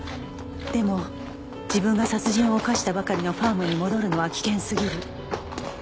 でも自分が殺人を犯したばかりのファームに戻るのは危険すぎる。